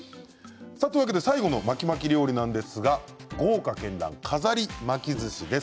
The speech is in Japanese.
最後の巻き巻き料理なんですが豪華けんらん、飾り巻きずしです。